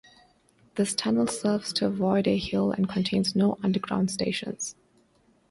This tunnel serves to avoid a hill and contains no underground stations.